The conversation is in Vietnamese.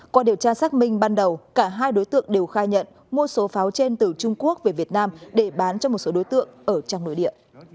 qua điều tra xác minh ban đầu cả hai đối tượng đều khai nhận mua số pháo trên từ trung quốc về việt nam để bán cho một số đối tượng ở trong nội địa